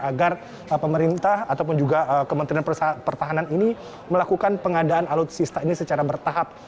agar pemerintah ataupun juga kementerian pertahanan ini melakukan pengadaan alutsista ini secara bertahap